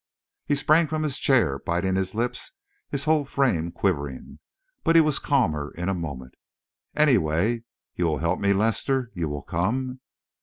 He sprang from his chair, biting his lips, his whole frame quivering. But he was calmer in a moment. "Anyway, you will help me, Lester? You will come?"